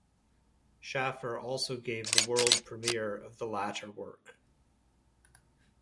Shaffer also gave the world premiere of the latter work.